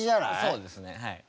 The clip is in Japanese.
そうですねはい。